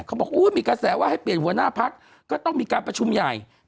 เขาบอกมีกระแสว่าให้เปลี่ยนหัวหน้าพักก็ต้องมีการประชุมใหญ่